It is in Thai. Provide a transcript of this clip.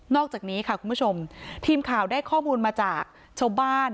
อกจากนี้ค่ะคุณผู้ชมทีมข่าวได้ข้อมูลมาจากชาวบ้าน